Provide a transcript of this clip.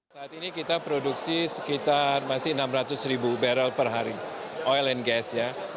saat ini kita produksi sekitar masih enam ratus ribu barrel per hari oil and gas ya